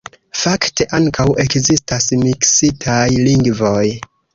Fakte ankaŭ ekzistas miksitaj lingvoj.